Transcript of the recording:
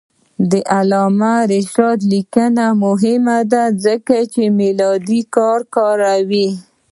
د علامه رشاد لیکنی هنر مهم دی ځکه چې میلادي کال کاروي.